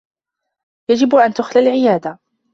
يجب أن تُخلى العيادة.